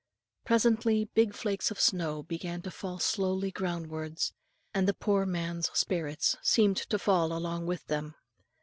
Presently big flakes of snow began to fall slowly ground wards, and the poor man's spirits seemed to fall along with them.